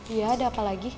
iya ada apa lagi